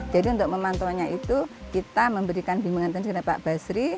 jadi untuk memantauannya itu kita memberikan bimbangan terhadap pak basri